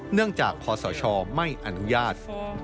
เนื่องจากคศไม่อนุญาต